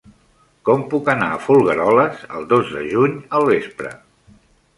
Com puc anar a Folgueroles el dos de juny al vespre?